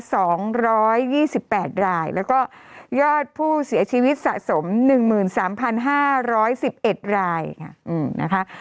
สองร้อยยี่สิบแปดรายแล้วก็ยอดผู้เสียชีวิตสะสมหนึ่งหมื่นสามพันห้าร้อยสิบเอ็ดรายค่ะอืมนะคะ